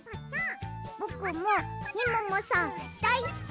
「ぼくもみももさんだいすき！」